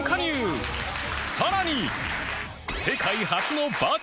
さらに